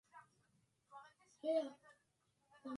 yule aliyejiuzulu na sasa hivi waziri mkuu mwengine yupi